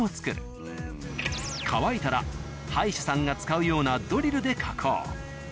乾いたら歯医者さんが使うようなドリルで加工。